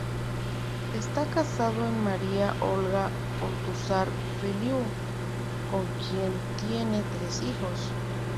Está casado con María Olga Ortúzar Feliú, con quien tiene tres hijos.